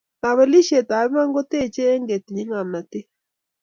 Kapelisietap iman ke techei eng ketinyei ngomnotet